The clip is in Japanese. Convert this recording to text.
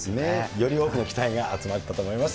より多くの期待が集まったと思います。